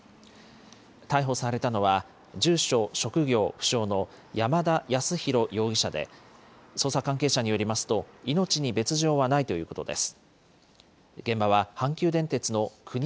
逮捕されたのは、住所・職業不詳の山田康裕容疑者で、捜査関係者によりますと、命に別状はないということです。